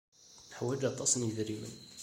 Neḥwaj aṭas n yidrimen?